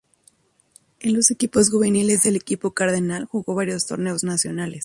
En los equipos juveniles del equipo cardenal, jugó varios torneos nacionales.